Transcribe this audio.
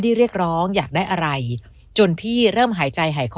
เรียกร้องอยากได้อะไรจนพี่เริ่มหายใจหายคอ